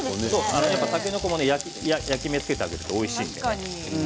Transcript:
たけのこも焼き目をつけてあげるとおいしいです。